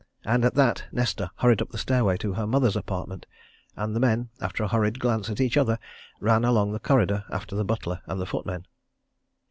And at that, Nesta hurried up the stairway to her mother's apartment, and the men, after a hurried glance at each other, ran along the corridor after the butler and the footmen.